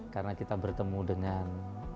karena kita bertemu dengan